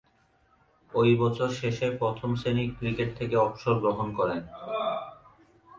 ঐ বছর শেষে প্রথম-শ্রেণীর ক্রিকেট থেকে অবসর গ্রহণ করেন।